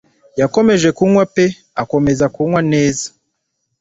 yakomeje kunywa pe akomeza kunywa neza.